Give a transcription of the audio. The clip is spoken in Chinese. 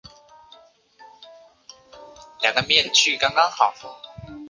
别海町为日本北海道根室振兴局野付郡的町。